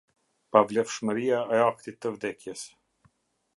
Pavlefshmëria e aktit të vdekjes.